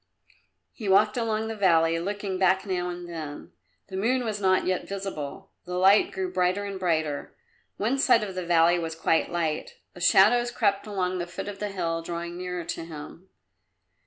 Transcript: He walked along the valley, looking back now and then; the moon was not yet visible. The light grew brighter and brighter; one side of the valley was quite light. The shadows crept along the foot of the hill, drawing nearer to him.